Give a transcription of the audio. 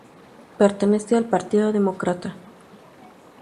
Pertenece al Partido Demócrata.